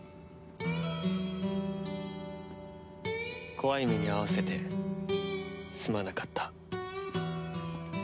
怖い目に遭わせてすまなかった。